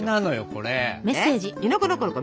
これ。